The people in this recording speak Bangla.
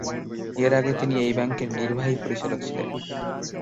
এর আগে তিনি এই ব্যাংকের নির্বাহী পরিচালক ছিলেন।